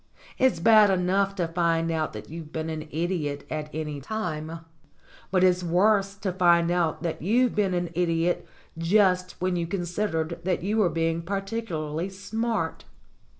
It's bad enough to find out that you've been an idiot at any time, but it's worse to find out that you've been an idiot just when you considered that you were being particularly smart.